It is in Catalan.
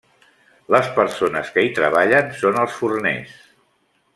Les persones que hi treballen són els forners.